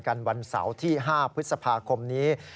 วันเสาร์ที่๕พฤษภาคมนี้